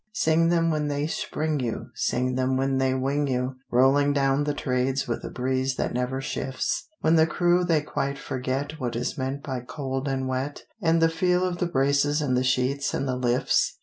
Sing them when they spring you, Sing them when they wing you, Rolling down the Trades with a breeze that never shifts; When the crew they quite forget What is meant by cold and wet, And the feel of the braces and the sheets and the lifts.